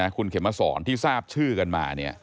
คุณเข็มมาสอนที่ทราบชื่อกันมา